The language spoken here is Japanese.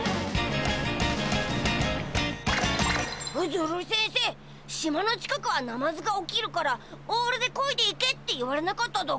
ゾロリせんせ島の近くはナマズが起きるからオールでこいでいけって言われなかっただか？